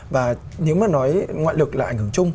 và nếu mà nói ngoại lực là ảnh hưởng chung